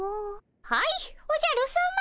はいおじゃるさま。